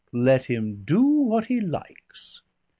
"Let him do what he likes."